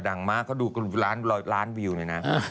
ดังมากเขาดูกันล้านวิวเลยนะ